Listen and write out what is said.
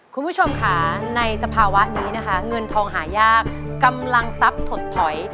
คุณผู้ชมค่ะในสภาวะนี้นะคะเงินทองหายากกำลังทรัพย์ถดถอย